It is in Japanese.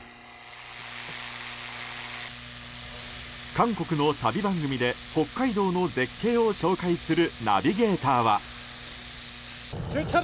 韓国の旅番組で北海道の絶景を紹介するナビゲーターは。